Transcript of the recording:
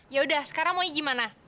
yaudah sekarang mau gimana